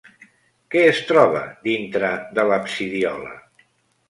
Què es troba dintre de l'absidiola?